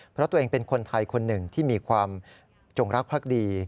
เพราะตัวเองเป็นคนไทยคนหนึ่งที่มีความจงรักภักดี